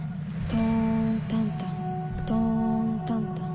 トーンタンタントーンタンタン。